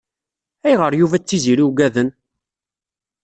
Ayɣer Yuba d Tiziri uggaden?